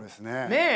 ねえ！